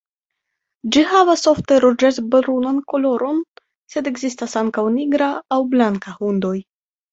Ĝi havas ofte ruĝec-brunan koloron, sed ekzistas ankaŭ nigra aŭ blanka hundoj.